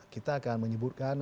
kita akan menyebutkan